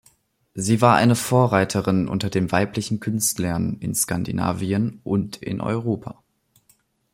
Sie war eine Vorreiterin unter den weiblichen Künstlern in Skandinavien und in Europa.